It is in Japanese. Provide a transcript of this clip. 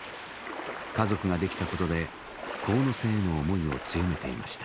家族ができたことで神瀬への思いを強めていました。